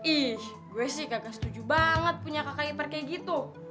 ish gue sih kakak setuju banget punya kakak ipar kayak gitu